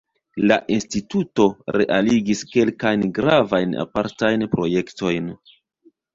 La instituto realigis kelkajn gravajn apartajn projektojn.